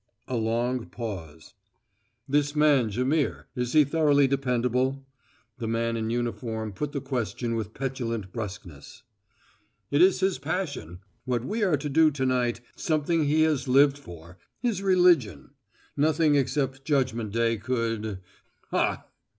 A long pause. "This man Jaimihr he is thoroughly dependable?" The man in uniform put the question with petulant bruskness. "It is his passion what we are to do to night something he has lived for his religion. Nothing except judgment day could Hah!"